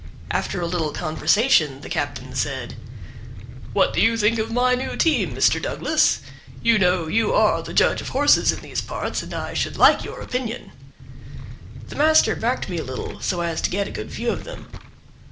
After a little conversation the captain said: "What do you think of my new team, Mr. Douglas? You know, you are the judge of horses in these parts, and I should like your opinion." The master backed me a little, so as to get a good view of them.